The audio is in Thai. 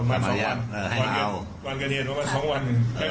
ประมาณสองวันวันกันเย็นประมาณสองวัน